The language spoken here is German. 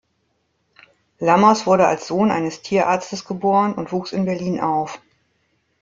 Lammers wurde als Sohn eines Tierarztes geboren und wuchs in Berlin auf.